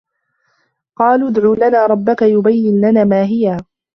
قَالُوا ادْعُ لَنَا رَبَّكَ يُبَيِّنْ لَنَا مَا هِيَ